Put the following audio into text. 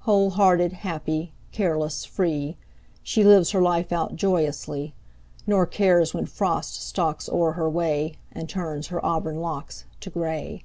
Whole hearted, happy, careless, free, She lives her life out joyously, Nor cares when Frost stalks o'er her way And turns her auburn locks to gray.